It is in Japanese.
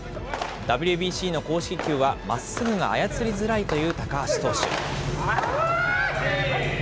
ＷＢＣの公式球はまっすぐが操りづらいという高橋投手。